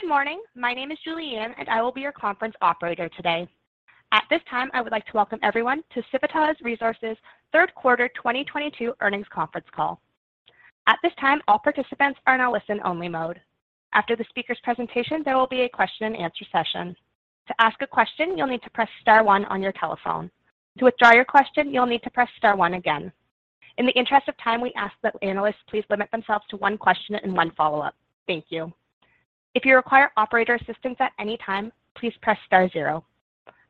Good morning. My name is Julianne, and I will be your conference operator today. At this time, I would like to welcome everyone to Civitas Resources Third Quarter 2022 Earnings Conference Call. At this time, all participants are in a listen-only mode. After the speaker's presentation, there will be a question-and-answer session. To ask a question, you'll need to press star one on your telephone. To withdraw your question, you'll need to press star one again. In the interest of time, we ask that analysts please limit themselves to one question and one follow-up. Thank you. If you require operator assistance at any time, please press star zero.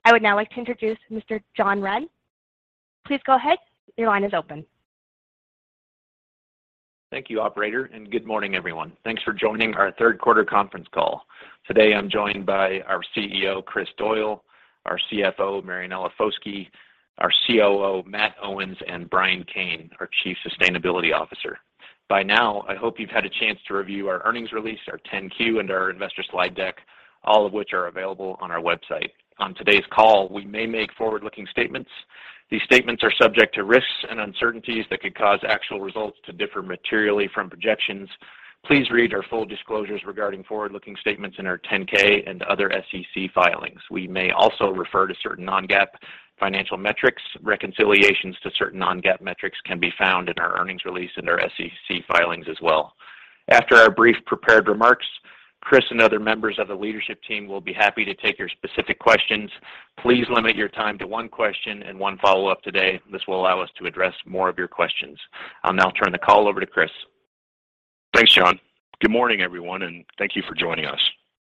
I would now like to introduce Mr. John Wren. Please go ahead. Your line is open. Thank you, operator, and good morning, everyone. Thanks for joining our third quarter conference call. Today, I'm joined by our CEO, Chris Doyle, our CFO, Marianella Foschi, our COO, Matt Owens, and Brian Cain, our Chief Sustainability Officer. By now, I hope you've had a chance to review our earnings release, our 10-Q and our investor slide deck, all of which are available on our website. On today's call, we may make forward-looking statements. These statements are subject to risks and uncertainties that could cause actual results to differ materially from projections. Please read our full disclosures regarding forward-looking statements in our 10-K and other SEC filings. We may also refer to certain non-GAAP financial metrics. Reconciliations to certain non-GAAP metrics can be found in our earnings release and our SEC filings as well. After our brief prepared remarks, Chris and other members of the leadership team will be happy to take your specific questions. Please limit your time to one question and one follow-up today. This will allow us to address more of your questions. I'll now turn the call over to Chris. Thanks, John. Good morning, everyone, and thank you for joining us.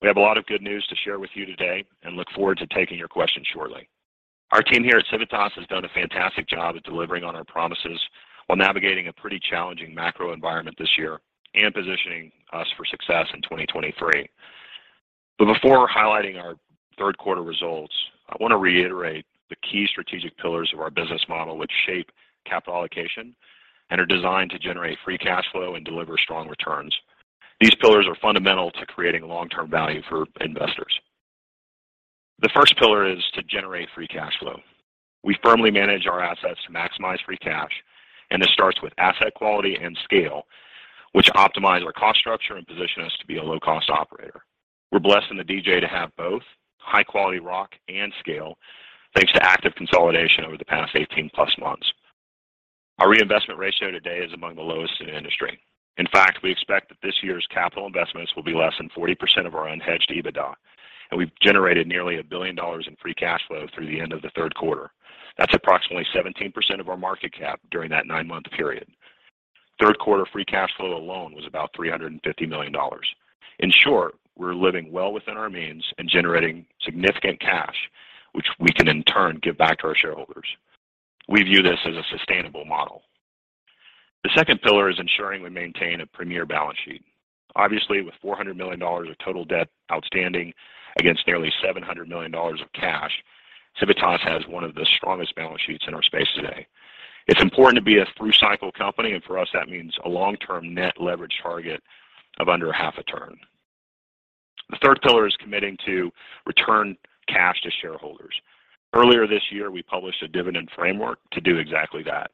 We have a lot of good news to share with you today and look forward to taking your questions shortly. Our team here at Civitas has done a fantastic job at delivering on our promises while navigating a pretty challenging macro environment this year and positioning us for success in 2023. Before highlighting our third quarter results, I want to reiterate the key strategic pillars of our business model, which shape capital allocation and are designed to generate free cash flow and deliver strong returns. These pillars are fundamental to creating long-term value for investors. The first pillar is to generate free cash flow. We firmly manage our assets to maximize free cash, and this starts with asset quality and scale, which optimize our cost structure and position us to be a low-cost operator. We're blessed in the DJ to have both high quality rock and scale thanks to active consolidation over the past 18+ months. Our reinvestment ratio today is among the lowest in the industry. In fact, we expect that this year's capital investments will be less than 40% of our unhedged EBITDA, and we've generated nearly $1 billion in free cash flow through the end of the third quarter. That's approximately 17% of our market cap during that nine month period. Third quarter free cash flow alone was about $350 million. In short, we're living well within our means and generating significant cash, which we can in turn give back to our shareholders. We view this as a sustainable model. The second pillar is ensuring we maintain a premier balance sheet. Obviously, with $400 million of total debt outstanding against nearly $700 million of cash, Civitas has one of the strongest balance sheets in our space today. It's important to be a through-cycle company, and for us, that means a long-term net leverage target of under half a turn. The third pillar is committing to return cash to shareholders. Earlier this year, we published a dividend framework to do exactly that.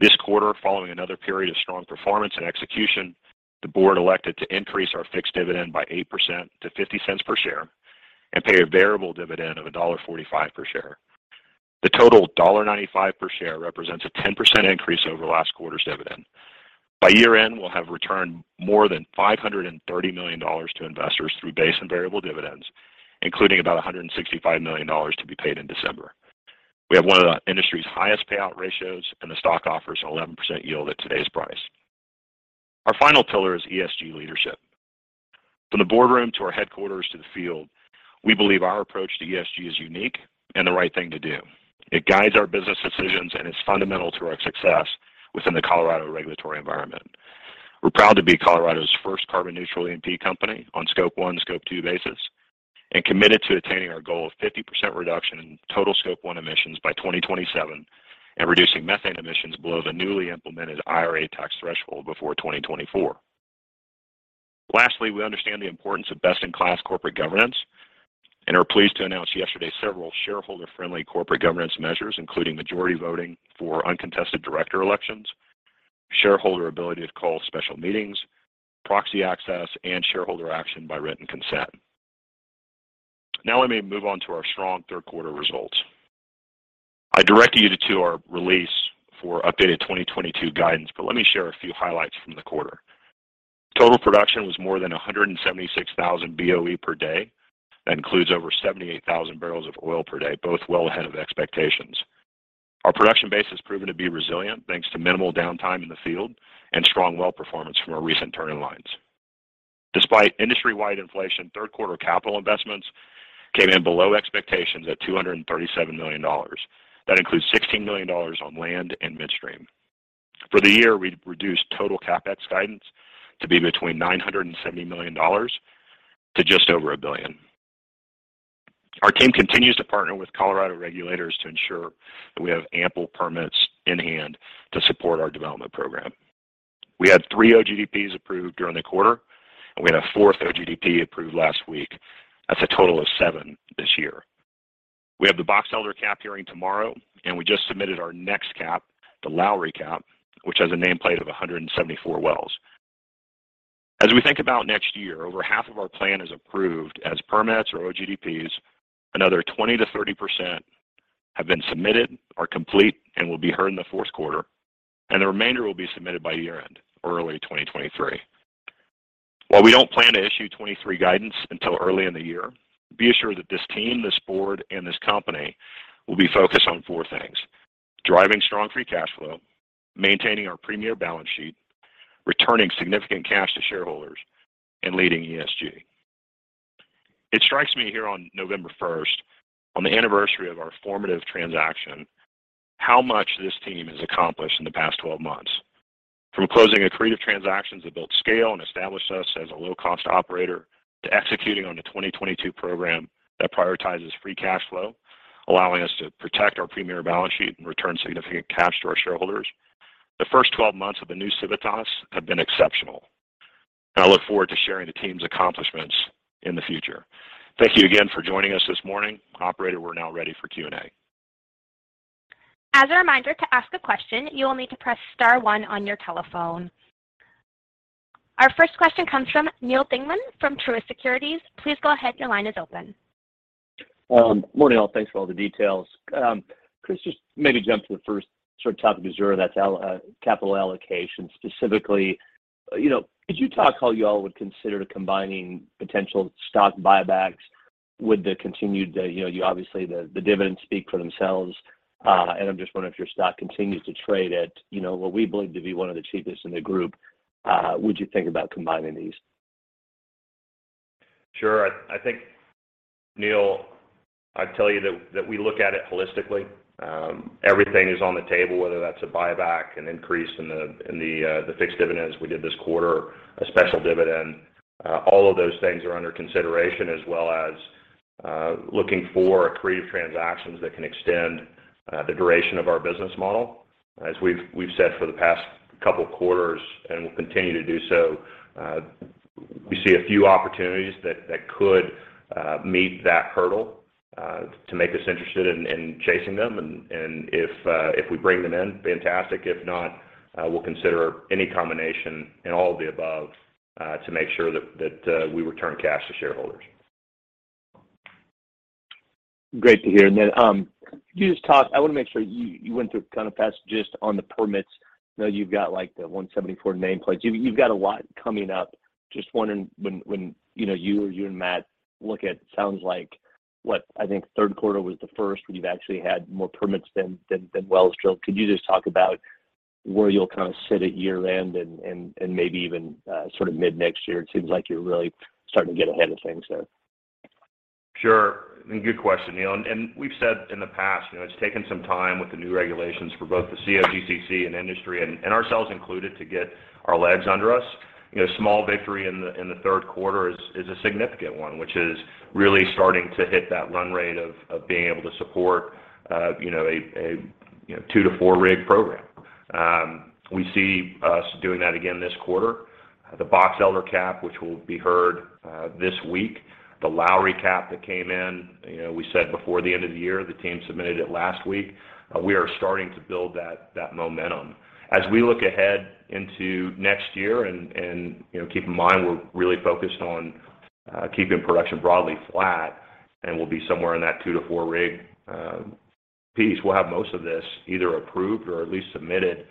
This quarter, following another period of strong performance and execution, the board elected to increase our fixed dividend by 8% to $0.50 per share and pay a variable dividend of $1.45 per share. The total $1.95 per share represents a 10% increase over last quarter's dividend. By year-end, we'll have returned more than $530 million to investors through base and variable dividends, including about $165 million to be paid in December. We have one of the industry's highest payout ratios, and the stock offers 11% yield at today's price. Our final pillar is ESG leadership. From the boardroom to our headquarters to the field, we believe our approach to ESG is unique and the right thing to do. It guides our business decisions and is fundamental to our success within the Colorado regulatory environment. We're proud to be Colorado's first carbon neutral E&P company on Scope 1, Scope 2 basis, and committed to attaining our goal of 50% reduction in total Scope 1 emissions by 2027 and reducing methane emissions below the newly implemented IRA tax threshold before 2024. Lastly, we understand the importance of best-in-class corporate governance and are pleased to announce yesterday several shareholder-friendly corporate governance measures, including majority voting for uncontested director elections, shareholder ability to call special meetings, proxy access, and shareholder action by written consent. Now I may move on to our strong third quarter results. I direct you to our release for updated 2022 guidance, but let me share a few highlights from the quarter. Total production was more than 176,000 BOE per day. That includes over 78,000 barrels of oil per day, both well ahead of expectations. Our production base has proven to be resilient thanks to minimal downtime in the field and strong well performance from our recent turn-in-lines. Despite industry-wide inflation, third quarter capital investments came in below expectations at $237 million. That includes $16 million on land and midstream. For the year, we've reduced total CapEx guidance to be between $970 million to just over $1 billion. Our team continues to partner with Colorado regulators to ensure that we have ample permits in hand to support our development program. We had three OGDPs approved during the quarter, and we had a fourth OGDP approved last week. That's a total of seven this year. We have the Box Elder CAP hearing tomorrow, and we just submitted our next CAP, the Lowry CAP, which has a nameplate of 174 wells. As we think about next year, over half of our plan is approved as permits or OGDPs. Another 20%-30% have been submitted, are complete, and will be heard in the fourth quarter. The remainder will be submitted by year-end or early 2023. While we don't plan to issue 2023 guidance until early in the year, be assured that this team, this board, and this company will be focused on four things, driving strong free cash flow, maintaining our premier balance sheet, returning significant cash to shareholders, and leading ESG. It strikes me here on November 1st, on the anniversary of our formative transaction, how much this team has accomplished in the past 12 months. From closing accretive transactions that built scale and established us as a low-cost operator to executing on the 2022 program that prioritizes free cash flow, allowing us to protect our premier balance sheet and return significant cash to our shareholders. The first 12 months of the new Civitas have been exceptional, and I look forward to sharing the team's accomplishments in the future. Thank you again for joining us this morning. Operator, we're now ready for Q&A. As a reminder, to ask a question, you will need to press star one on your telephone. Our first question comes from Neal Dingmann from Truist Securities. Please go ahead. Your line is open. Morning, all. Thanks for all the details. Chris, just maybe jump to the first sort of topic, capital allocation. Specifically, you know, could you talk how you all would consider combining potential stock buybacks with the continued, you know, obviously the dividends speak for themselves. I'm just wondering if your stock continues to trade at, you know, what we believe to be one of the cheapest in the group, would you think about combining these? Sure. I think, Neal, I'd tell you that we look at it holistically. Everything is on the table, whether that's a buyback, an increase in the fixed dividends we did this quarter, a special dividend. All of those things are under consideration, as well as looking for accretive transactions that can extend the duration of our business model. As we've said for the past couple quarters and will continue to do so, we see a few opportunities that could meet that hurdle to make us interested in chasing them. If we bring them in, fantastic. If not, we'll consider any combination and all of the above to make sure that we return cash to shareholders. Great to hear. Could you just talk? I wanna make sure you went through kind of fast just on the permits. I know you've got like the 174 nameplates. You've got a lot coming up. Just wondering when, you know, you and Matt look at sounds like what I think third quarter was the first where you've actually had more permits than wells drilled. Could you just talk about where you'll kind of sit at year-end and maybe even sort of mid-next year? It seems like you're really starting to get ahead of things there. Sure. Good question, Neal. We've said in the past, you know, it's taken some time with the new regulations for both the COGCC and industry and ourselves included to get our legs under us. You know, small victory in the third quarter is a significant one, which is really starting to hit that run rate of being able to support, you know, a 2-4 rig program. We see us doing that again this quarter. The Box Elder CAP, which will be heard this week. The Lowry CAP that came in, you know, we said before the end of the year. The team submitted it last week. We are starting to build that momentum. As we look ahead into next year, you know, keep in mind we're really focused on keeping production broadly flat, and we'll be somewhere in that 2-4 rig piece. We'll have most of this either approved or at least submitted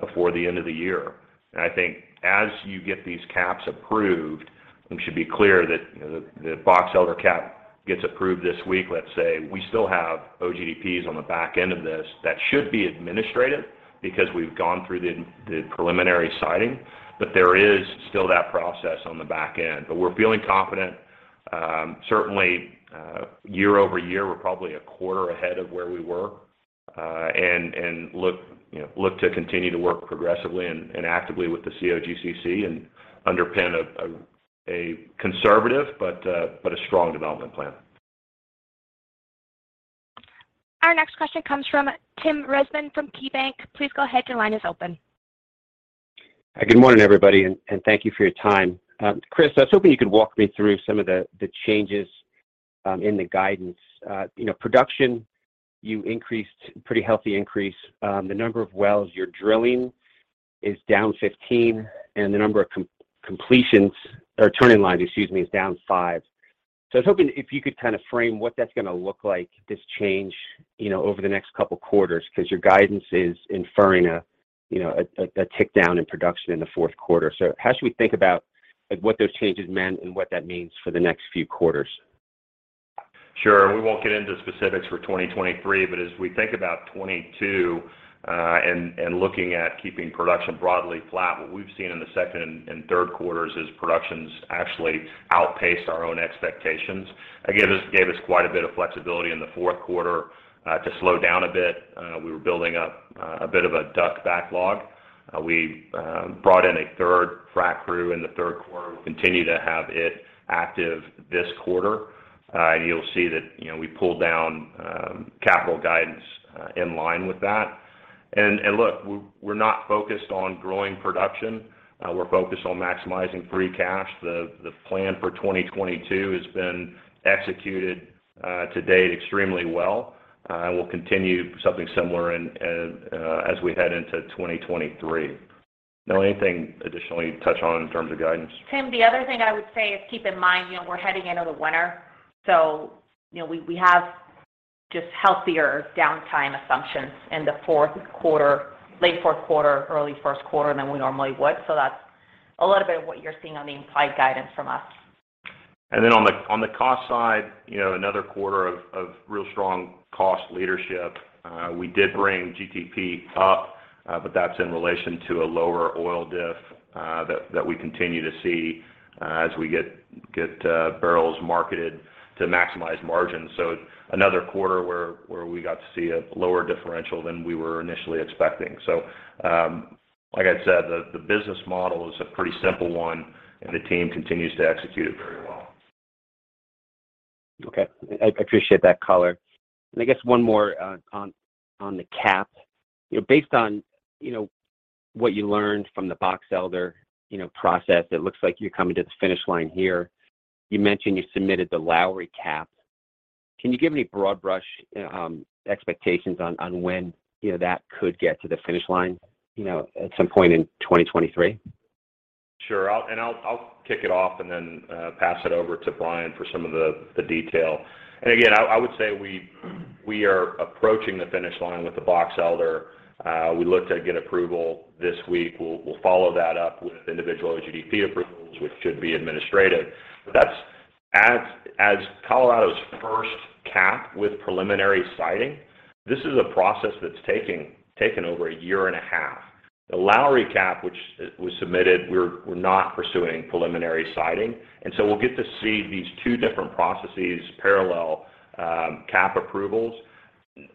before the end of the year. I think as you get these CAPs approved, we should be clear that, you know, the Box Elder CAP gets approved this week, let's say, we still have OGDPs on the back end of this that should be administrative because we've gone through the preliminary siting, but there is still that process on the back end. We're feeling confident. Certainly, year-over-year, we're probably a quarter ahead of where we were, and look, you know, to continue to work progressively and actively with the COGCC and underpin a conservative but a strong development plan. Our next question comes from Tim Rezvan from KeyBanc. Please go ahead. Your line is open. Good morning, everybody, and thank you for your time. Chris, I was hoping you could walk me through some of the changes in the guidance. You know, production, you increased, pretty healthy increase. The number of wells you're drilling is down 15, and the number of completions or turning in line, excuse me, is down five. I was hoping if you could kind of frame what that's gonna look like, this change, you know, over the next couple quarters because your guidance is inferring a, you know, a tick down in production in the fourth quarter. How should we think about, like, what those changes meant and what that means for the next few quarters? Sure. We won't get into specifics for 2023, but as we think about 2022, looking at keeping production broadly flat, what we've seen in the second and third quarters is production actually outpaced our own expectations. Again, this gave us quite a bit of flexibility in the fourth quarter to slow down a bit. We were building up a bit of a DUC backlog. We brought in a third frac crew in the third quarter. We'll continue to have it active this quarter. You'll see that, you know, we pulled down capital guidance in line with that. Look, we're not focused on growing production. We're focused on maximizing free cash. The plan for 2022 has been executed to date extremely well. We'll continue something similar and, as we head into 2023. You know, anything additionally touch on in terms of guidance? Tim, the other thing I would say is keep in mind, you know, we're heading into the winter, so, you know, we have just healthier downtime assumptions in the fourth quarter, late fourth quarter, early first quarter than we normally would. That's a little bit of what you're seeing on the implied guidance from us. On the cost side, you know, another quarter of real strong cost leadership. We did bring GTP up, but that's in relation to a lower oil diff that we continue to see as we get barrels marketed to maximize margins. Another quarter where we got to see a lower differential than we were initially expecting. Like I said, the business model is a pretty simple one, and the team continues to execute it very well. Okay. I appreciate that color. I guess one more on the CAP. You know, based on what you learned from the Box Elder process, it looks like you're coming to the finish line here. You mentioned you submitted the Lowry CAP. Can you give any broad brush expectations on when that could get to the finish line, you know, at some point in 2023? Sure. I'll kick it off and then pass it over to Brian for some of the detail. I would say we are approaching the finish line with the Box Elder. We look to get approval this week. We'll follow that up with individual OGDP approvals, which should be administrative. That's as Colorado's first CAP with preliminary siting, this is a process that's taken over a year and a half. The Lowry CAP, which was submitted, we're not pursuing preliminary siting. We'll get to see these two different processes parallel CAP approvals.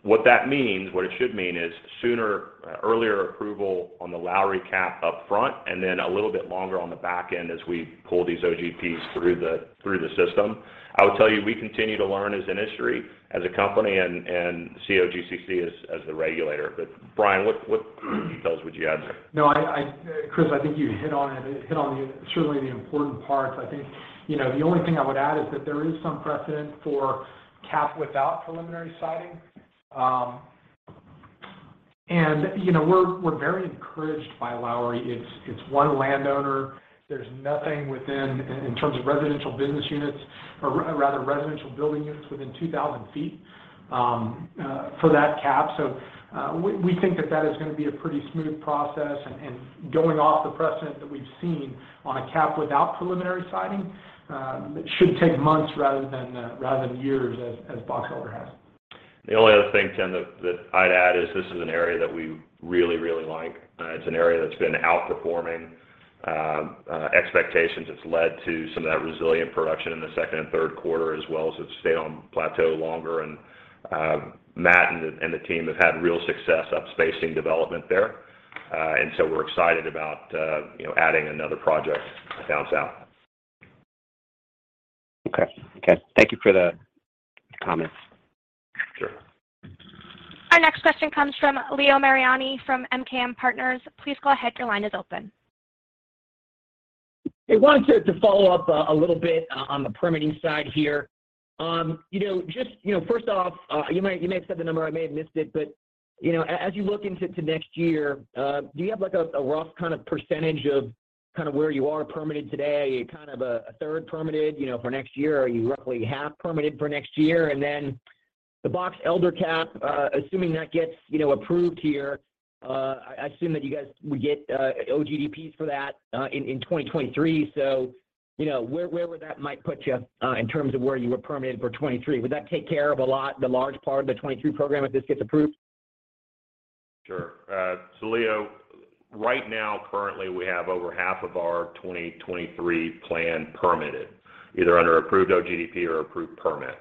What that means, what it should mean is sooner earlier approval on the Lowry CAP up front, and then a little bit longer on the back end as we pull these OGDPs through the system. I would tell you, we continue to learn as an industry, as a company and COGCC as the regulator. Brian, what details would you add there? No, Chris, I think you hit on it, certainly the important parts. I think the only thing I would add is that there is some precedent for CAP without preliminary siting. We're very encouraged by Lowry. It's one landowner. There's nothing in terms of residential business units or rather residential building units within 2,000 feet for that CAP. We think that is gonna be a pretty smooth process. Going off the precedent that we've seen on a CAP without preliminary siting, it should take months rather than years as Box Elder has. The only other thing, Tim, that I'd add is this is an area that we really, really like. It's an area that's been outperforming expectations. It's led to some of that resilient production in the second and third quarter, as well as it stayed on plateau longer. Matt and the team have had real success up-spacing development there. We're excited about you know, adding another project down south. Okay. Thank you for the comments. Sure. Our next question comes from Leo Mariani from MKM Partners. Please go ahead, your line is open. I wanted to follow up a little bit on the permitting side here. You know, just, you know, first off, you might, you may have said the number, I may have missed it, but, you know, as you look into next year, do you have like a rough kind of percentage of kind of where you are permitted today? Are you kind of a third permitted, you know, for next year? Are you roughly half permitted for next year? Then the Box Elder CAP, assuming that gets, you know, approved here, I assume that you guys would get OGDPs for that in 2023. You know, where would that might put you in terms of where you were permitted for 2023? Would that take care of a lot, the large part of the 2023 program if this gets approved? Sure. So Leo, right now, currently, we have over half of our 2023 plan permitted, either under approved OGDP or approved permit.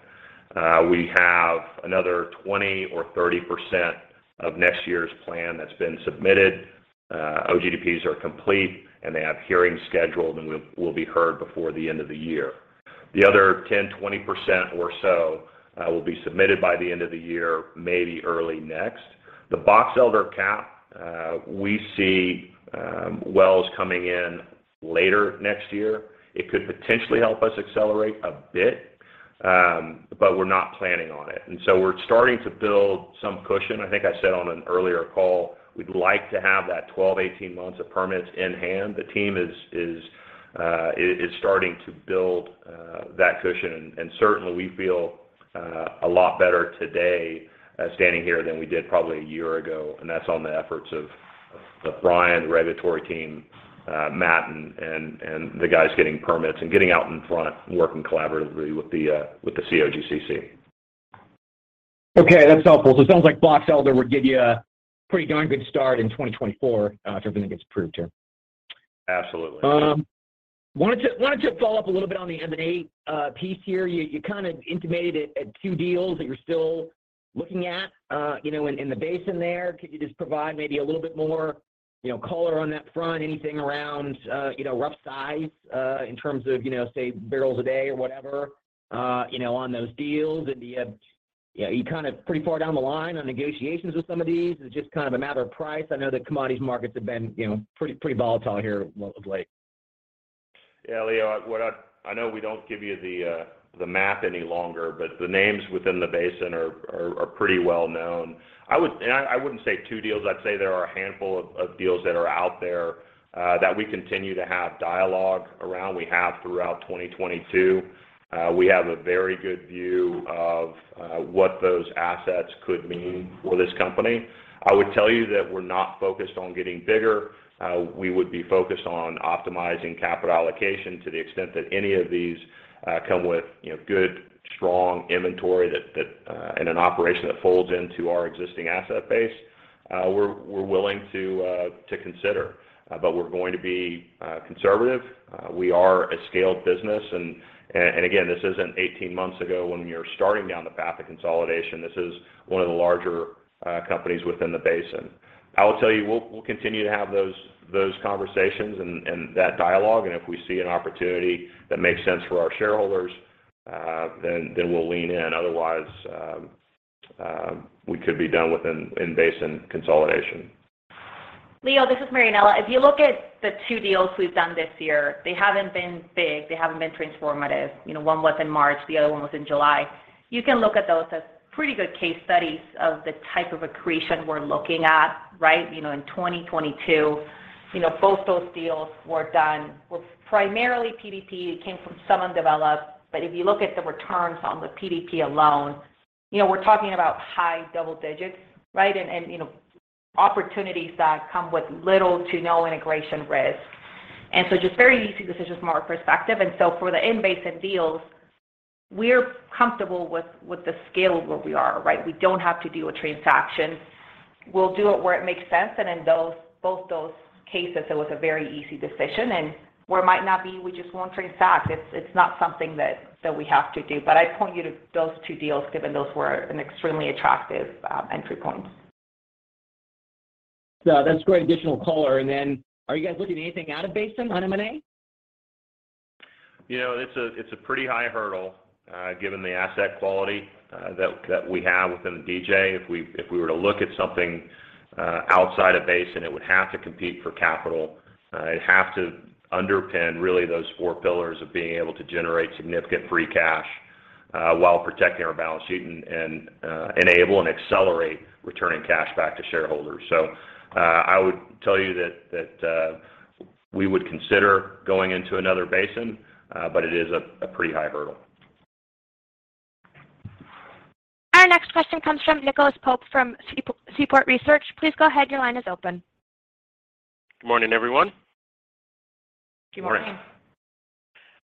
We have another 20% or 30% of next year's plan that's been submitted. OGDPs are complete, and they have hearings scheduled and will be heard before the end of the year. The other 10%, 20% or so will be submitted by the end of the year, maybe early next. The Box Elder CAP, we see wells coming in later next year. It could potentially help us accelerate a bit, but we're not planning on it. We're starting to build some cushion. I think I said on an earlier call, we'd like to have that 12, 18 months of permits in hand. The team is starting to build that cushion. Certainly we feel a lot better today standing here than we did probably a year ago. That's on the efforts of Brian, the regulatory team, Matt and the guys getting permits and getting out in front, working collaboratively with the COGCC. Okay, that's helpful. It sounds like Box Elder would give you a pretty darn good start in 2024, if everything gets approved here. Absolutely. Wanted to follow up a little bit on the M&A piece here. You kind of intimated at two deals that you're still looking at, you know, in the basin there. Could you just provide maybe a little bit more, you know, color on that front, anything around, you know, rough size, in terms of, you know, say, barrels a day or whatever, you know, on those deals? Are you kind of pretty far down the line on negotiations with some of these? Is it just kind of a matter of price? I know the commodities markets have been, you know, pretty volatile here of late. Yeah, Leo, I know we don't give you the math any longer, but the names within the basin are pretty well-known. I wouldn't say two deals. I'd say there are a handful of deals that are out there, that we continue to have dialogue around. We have throughout 2022. We have a very good view of what those assets could mean for this company. I would tell you that we're not focused on getting bigger. We would be focused on optimizing capital allocation to the extent that any of these come with, you know, good, strong inventory that in an operation that folds into our existing asset base, we're willing to consider. But we're going to be conservative. We are a scaled business and again, this isn't 18 months ago when we were starting down the path of consolidation. This is one of the larger companies within the basin. I will tell you, we'll continue to have those conversations and that dialogue, and if we see an opportunity that makes sense for our shareholders, then we'll lean in. Otherwise, we could be done with in-basin consolidation. Leo, this is Marianella. If you look at the two deals we've done this year, they haven't been big. They haven't been transformative. You know, one was in March, the other one was in July. You can look at those as pretty good case studies of the type of accretion we're looking at, right? You know, in 2022, you know, both those deals were done with primarily PDP. It came from some undeveloped. If you look at the returns on the PDP alone, you know, we're talking about high double digits, right? you know, opportunities that come with little to no integration risk. just very easy decisions from our perspective. for the in-basin deals, we're comfortable with the scale of where we are, right? We don't have to do a transaction. We'll do it where it makes sense. In both those cases, it was a very easy decision. Where it might not be, we just won't transact. It's not something that we have to do. I'd point you to those two deals, given those were an extremely attractive entry point. That's great additional color. Are you guys looking at anything out of basin on M&A? You know, it's a pretty high hurdle given the asset quality that we have within the DJ. If we were to look at something outside a basin, it would have to compete for capital. It'd have to underpin really those four pillars of being able to generate significant free cash while protecting our balance sheet and enable and accelerate returning cash back to shareholders. I would tell you that we would consider going into another basin, but it is a pretty high hurdle. Our next question comes from Nicholas Pope from Seaport Research. Please go ahead. Your line is open. Good morning, everyone. Good morning. Morning.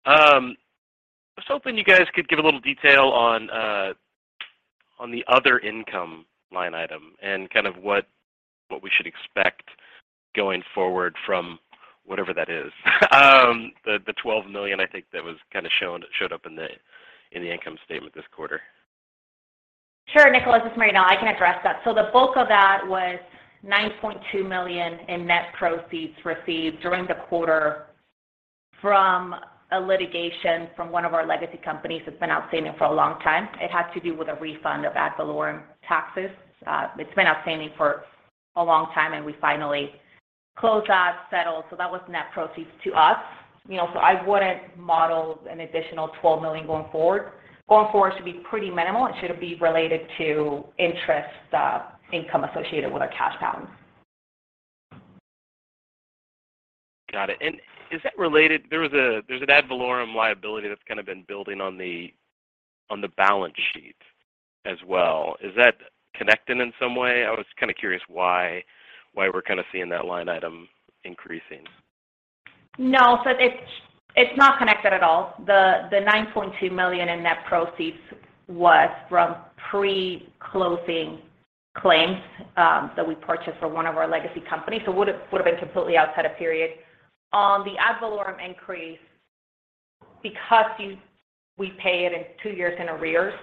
I was hoping you guys could give a little detail on the other income line item and kind of what we should expect going forward from whatever that is. The $12 million, I think that was kind of showed up in the income statement this quarter. Sure, Nicholas, this is Marianella. I can address that. The bulk of that was $9.2 million in net proceeds received during the quarter from a litigation from one of our legacy companies that's been outstanding for a long time. It had to do with a refund of ad valorem taxes. It's been outstanding for a long time, and we finally closed that, settled. That was net proceeds to us. You know, I wouldn't model an additional $12 million going forward. Going forward, it should be pretty minimal. It should be related to interest income associated with our cash balance. Is that related? There's an ad valorem liability that's kind of been building on the balance sheet as well. Is that connected in some way? I was kinda curious why we're kinda seeing that line item increasing. No. It's not connected at all. The $9.2 million in net proceeds was from pre-closing claims that we purchased from one of our legacy companies. It would have been completely outside of period. On the ad valorem increase, because we pay it in two years in arrears,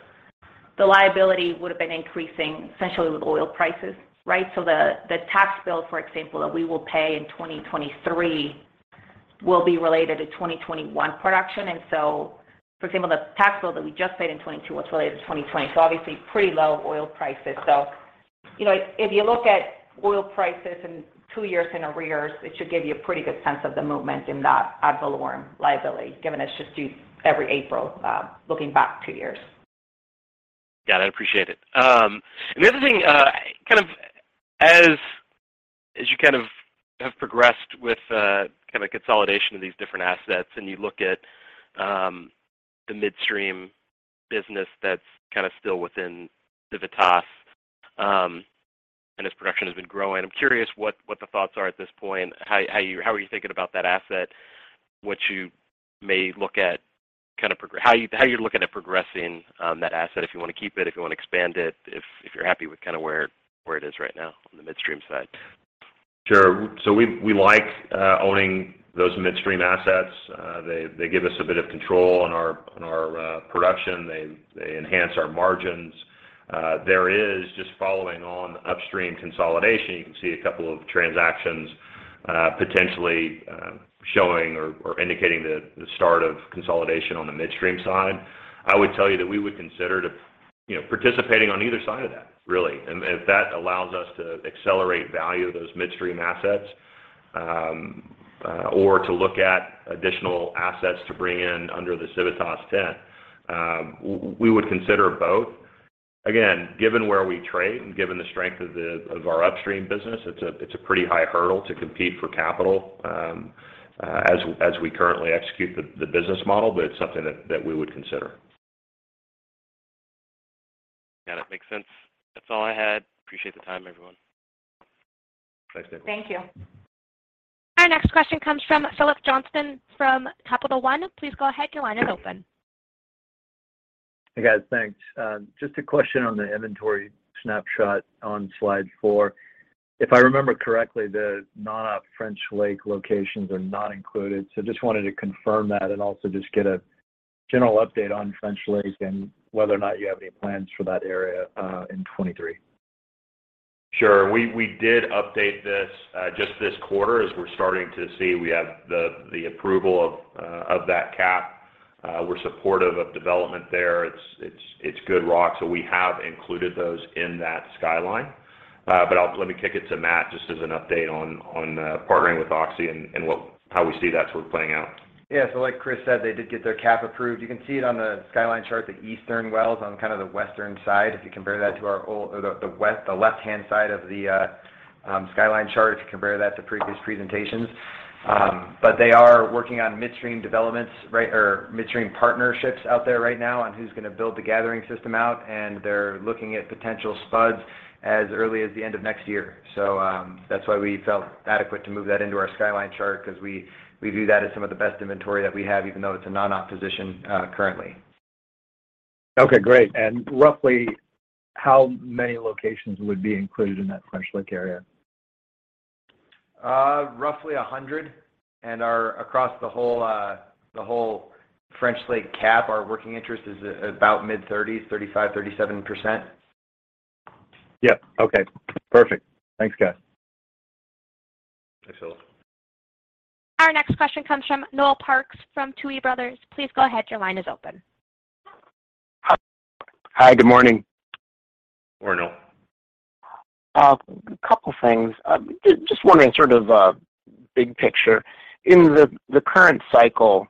the liability would have been increasing essentially with oil prices, right? The tax bill, for example, that we will pay in 2023 will be related to 2021 production. For example, the tax bill that we just paid in 2022 was related to 2020, so obviously pretty low oil prices. You know, if you look at oil prices in two years in arrears, it should give you a pretty good sense of the movement in that ad valorem liability, given it's just due every April, looking back two years. Got it. Appreciate it. The other thing, kind of as you kind of have progressed with kind of consolidation of these different assets and you look at the midstream business that's kind of still within Civitas, and as production has been growing, I'm curious what the thoughts are at this point. How are you thinking about that asset? How are you looking at progressing that asset if you want to keep it, if you want to expand it, if you're happy with kind of where it is right now on the midstream side? Sure. We like owning those midstream assets. They give us a bit of control on our production. They enhance our margins. There is just following on upstream consolidation. You can see a couple of transactions, potentially, showing or indicating the start of consolidation on the midstream side. I would tell you that we would consider to, you know, participating on either side of that, really. If that allows us to accelerate value of those midstream assets, or to look at additional assets to bring in under the Civitas tent, we would consider both. Again, given where we trade and given the strength of our upstream business, it's a pretty high hurdle to compete for capital, as we currently execute the business model, but it's something that we would consider. Got it. Makes sense. That's all I had. Appreciate the time, everyone. Thanks, Nicholas Pope. Thank you. Our next question comes from Phillips Johnston from Capital One. Please go ahead. Your line is open. Hey, guys. Thanks. Just a question on the inventory snapshot on slide four. If I remember correctly, the non-op French Lake locations are not included. Just wanted to confirm that and also just get a general update on French Lake and whether or not you have any plans for that area in 2023. Sure. We did update this just this quarter as we're starting to see we have the approval of that CAP. We're supportive of development there. It's good rock, so we have included those in that skyline. But let me kick it to Matt just as an update on partnering with Oxy and how we see that sort of playing out. Yeah. Like Chris said, they did get their CAP approved. You can see it on the skyline chart, the eastern wells on kind of the western side, if you compare that to the left-hand side of the skyline chart, if you compare that to previous presentations. They are working on midstream partnerships out there right now on who's gonna build the gathering system out, and they're looking at potential spuds as early as the end of next year. That's why we felt adequate to move that into our skyline chart because we view that as some of the best inventory that we have, even though it's a non-op position, currently. Okay, great. Roughly how many locations would be included in that French Lake area? Roughly 100. Across the whole French Lake CAP, our working interest is about mid-30s, 35%-37%. Yeah. Okay, perfect. Thanks, guys. Thanks, Phillips. Our next question comes from Noel Parks from Tuohy Brothers. Please go ahead. Your line is open. Hi. Good morning. Morning, Noel. A couple things. Just wondering sort of big picture. In the current cycle,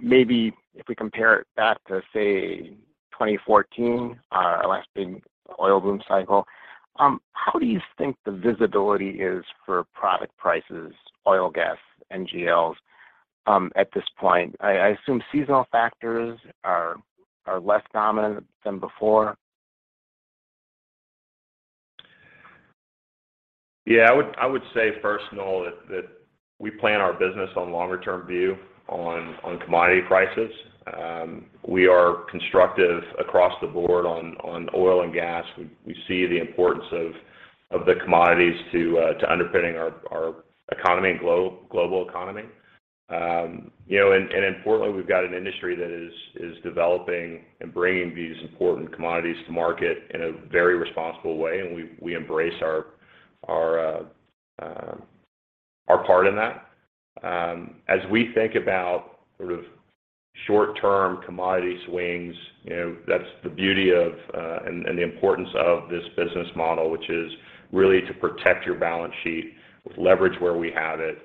maybe if we compare it back to, say, 2014, our last big oil boom cycle, how do you think the visibility is for product prices, oil, gas, NGLs, at this point? I assume seasonal factors are less dominant than before. Yeah. I would say first, Noel, that we plan our business on longer-term view on commodity prices. We are constructive across the board on oil and gas. We see the importance of the commodities to underpinning our economy and global economy. You know, and importantly, we've got an industry that is developing and bringing these important commodities to market in a very responsible way, and we embrace our part in that. As we think about sort of short term commodity swings, you know, that's the beauty of, and the importance of this business model, which is really to protect your balance sheet with leverage where we have it,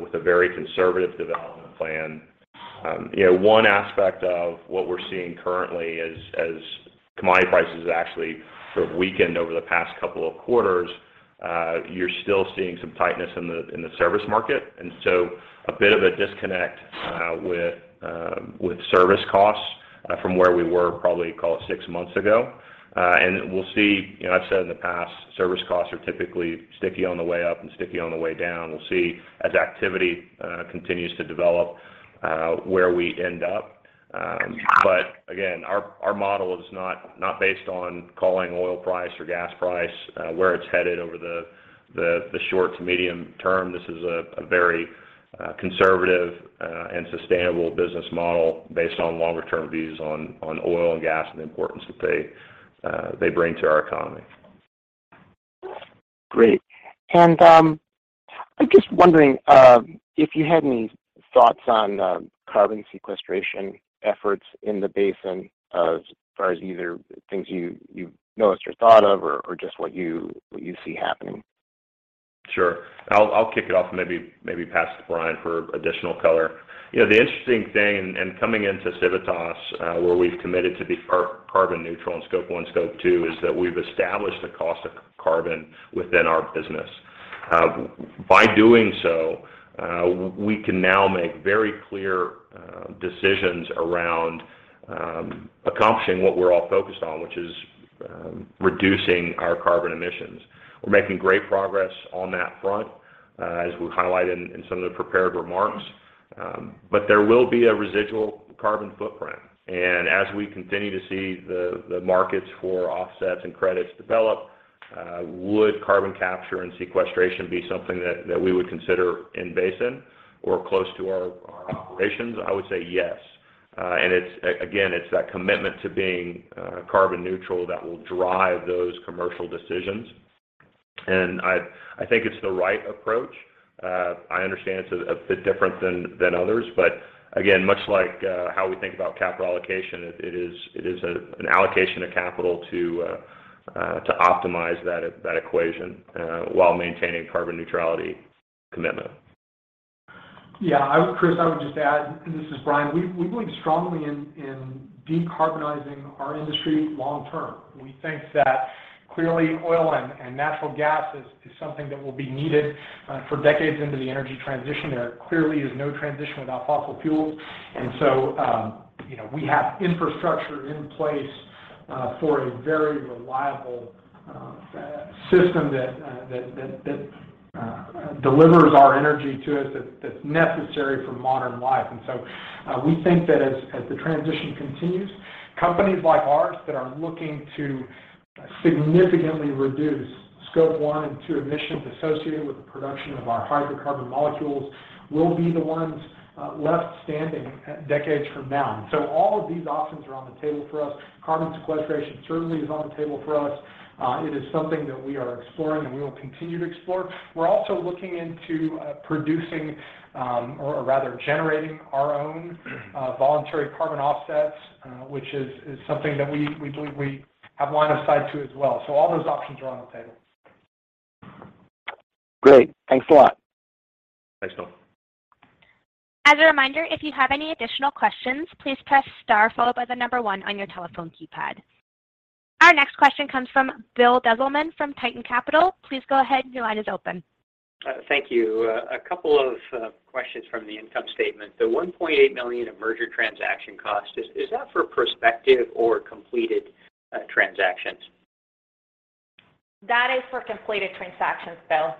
with a very conservative development plan. You know, one aspect of what we're seeing currently as commodity prices actually sort of weakened over the past couple of quarters, you're still seeing some tightness in the service market. A bit of a disconnect with service costs from where we were probably, call it, six months ago. We'll see. You know, I've said in the past, service costs are typically sticky on the way up and sticky on the way down. We'll see as activity continues to develop where we end up. Again, our model is not based on calling oil price or gas price where it's headed over the short to medium term. This is a very conservative and sustainable business model based on longer term views on oil and gas and the importance that they bring to our economy. Great. I'm just wondering if you had any thoughts on carbon sequestration efforts in the basin as far as either things you've noticed or thought of or just what you see happening. Sure. I'll kick it off and maybe pass to Brian for additional color. You know, the interesting thing and coming into Civitas, where we've committed to be carbon neutral in Scope 1, Scope 2, is that we've established the cost of carbon within our business. By doing so, we can now make very clear decisions around accomplishing what we're all focused on, which is reducing our carbon emissions. We're making great progress on that front, as we highlighted in some of the prepared remarks. There will be a residual carbon footprint. As we continue to see the markets for offsets and credits develop. Would carbon capture and sequestration be something that we would consider in basin or close to our operations? I would say yes. It's again that commitment to being carbon neutral that will drive those commercial decisions. I think it's the right approach. I understand it's a bit different than others, but again, much like how we think about capital allocation, it is an allocation of capital to optimize that equation while maintaining carbon neutrality commitment. Yeah. Chris, I would just add, this is Brian. We believe strongly in decarbonizing our industry long term. We think that clearly oil and natural gas is something that will be needed for decades into the energy transition. There clearly is no transition without fossil fuels. You know, we have infrastructure in place for a very reliable system that delivers our energy to us that's necessary for modern life. We think that as the transition continues, companies like ours that are looking to significantly reduce Scope 1 and 2 emissions associated with the production of our hydrocarbon molecules will be the ones left standing decades from now. All of these options are on the table for us. Carbon sequestration certainly is on the table for us. It is something that we are exploring and we will continue to explore. We're also looking into generating our own voluntary carbon offsets, which is something that we believe we have line of sight to as well. All those options are on the table. Great. Thanks a lot. Thanks, Phil. As a reminder, if you have any additional questions, please press star followed by the number one on your telephone keypad. Our next question comes from Bill Dezellem from Tieton Capital. Please go ahead. Your line is open. Thank you. A couple of questions from the income statement. The $1.8 million in merger transaction cost, is that for prospective or completed transactions? That is for completed transactions, Bill.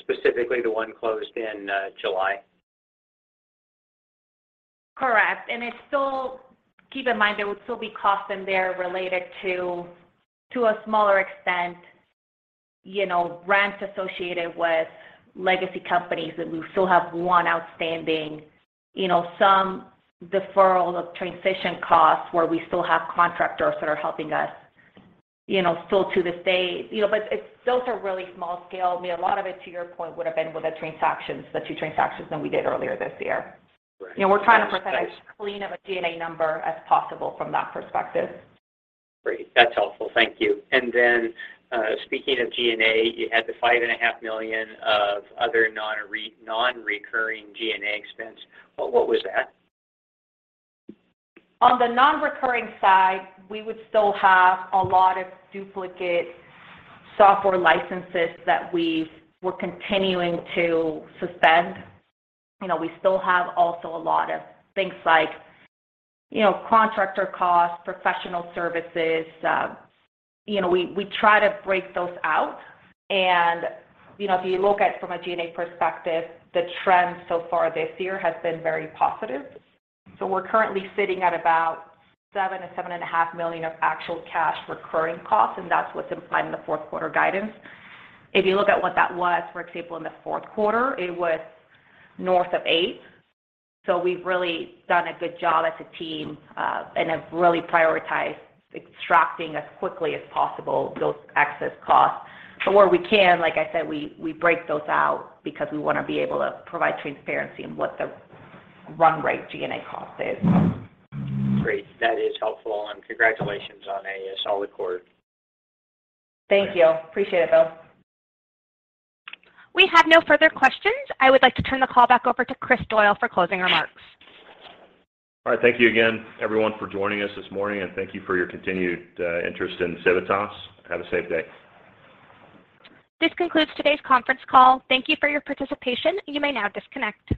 Specifically the one closed in July? Correct. It's still. Keep in mind there would still be costs in there related to a smaller extent, you know, rents associated with legacy companies that we still have one outstanding. You know, some deferral of transition costs where we still have contractors that are helping us, you know, still to this day. You know, it's. Those are really small scale. I mean, a lot of it, to your point, would've been with the transactions, the two transactions that we did earlier this year. Right. You know, we're trying to present as clean of a G&A number as possible from that perspective. Great. That's helpful. Thank you. Then, speaking of G&A, you had the $5.5 million of other non-recurring G&A expense. What was that? On the non-recurring side, we would still have a lot of duplicate software licenses that we were continuing to suspend. You know, we still have also a lot of things like, you know, contractor costs, professional services. You know, we try to break those out. You know, if you look at it from a G&A perspective, the trend so far this year has been very positive. We're currently sitting at about $7 million-$7.5 million of actual cash recurring costs, and that's what's implied in the fourth quarter guidance. If you look at what that was, for example, in the fourth quarter, it was north of $8 million. We've really done a good job as a team, and have really prioritized extracting as quickly as possible those excess costs. Where we can, like I said, we break those out because we wanna be able to provide transparency in what the run rate G&A cost is. Great. That is helpful, and congratulations on a solid quarter. Thank you. Appreciate it, Bill. We have no further questions. I would like to turn the call back over to Chris Doyle for closing remarks. All right. Thank you again, everyone, for joining us this morning, and thank you for your continued interest in Civitas. Have a safe day. This concludes today's conference call. Thank you for your participation. You may now disconnect.